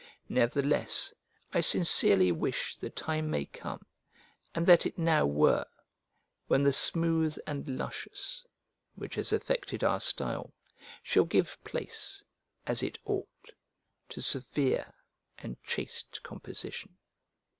Nevertheless, I sincerely wish the time may come, and that it now were, when the smooth and luscious, which has affected our style, shall give place, as it ought, to severe and chaste composition.